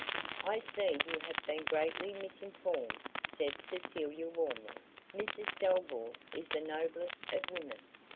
"I see you have been greatly misinformed," said Cecilia warmly; "Mrs Delvile is the noblest of women!